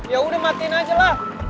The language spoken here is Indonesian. ya udah matiin aja lah